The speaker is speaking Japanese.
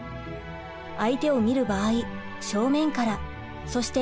相手を見る場合正面からそして近くから見る。